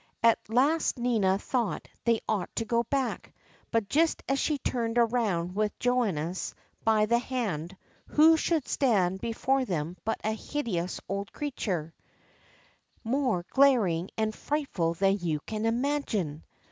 At last Nina thought they ought to go back, but just as she turned around with Johannes by the hand, who should stand before them but a hideous old creature, more glaring and frightful than you can imagine.